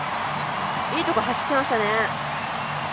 いいところ走ってましたね。